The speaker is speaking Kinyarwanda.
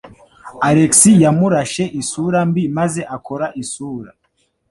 Alex yamurashe isura mbi maze akora isura.